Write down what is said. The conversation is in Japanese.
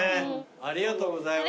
ありがとうございます。